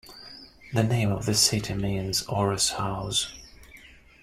The name of the city means "Oros' house".